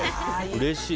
うれしい。